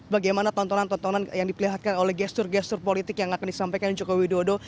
bagaimana tontonan tontonan yang dipilihakan oleh gestur gestur politik yang akan disampaikan jokowi dodo